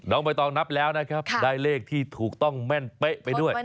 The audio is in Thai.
ใบตองนับแล้วนะครับได้เลขที่ถูกต้องแม่นเป๊ะไปด้วย